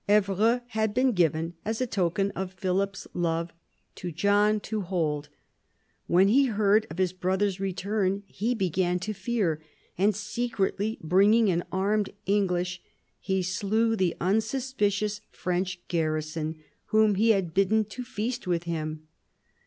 Evreux had been given, as a token of Philip's love, to John to hold. When he heard of his brother's return he began to fear, and secretly bringing in armed English, he slew the unsuspicious French garrison, whom he had bidden to feast with him.